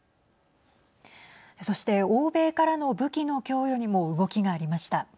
そして、欧米からの武器の供与にも動きがありました。